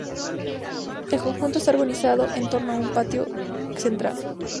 El conjunto está organizado en torno a un patio central.